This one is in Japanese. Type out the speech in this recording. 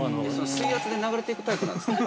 ◆水圧で流れていくタイプなんですか。